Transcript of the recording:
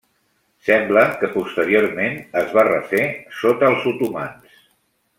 Sembla que posteriorment es va refer sota els otomans.